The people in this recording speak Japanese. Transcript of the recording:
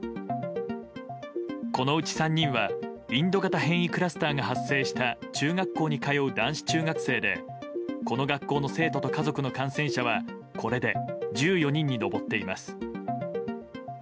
このうち３人はインド型変異クラスターが発生した中学校に通う男子中学生でこの学校の生徒と家族の感染者はこれで１４人に上っています。